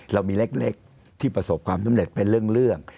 เรามีเล็กที่ประสบความสำเร็จเป็นเรื่อง